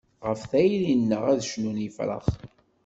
Ɣef tayri-nneɣ ad cnun yefrax.